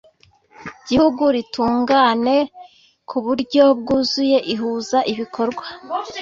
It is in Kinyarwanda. Gihugu ritungane ku buryo bwuzuye Ihuza ibikorwa